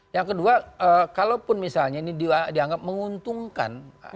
yang kedua kalaupun misalnya ini dianggap menguntungkan